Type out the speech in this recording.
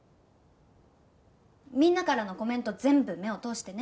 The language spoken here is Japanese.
みんなからのコメント全部目を通してね。